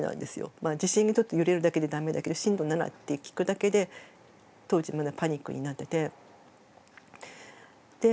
まあ地震でちょっと揺れるだけでダメだけど震度７って聞くだけで当時まだパニックになってて。